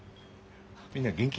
みんな元気？